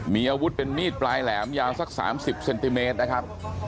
มีอาวุธเป็นมีดปลายแหลมยาวสัก๓๐เซนติเมตรนะครับ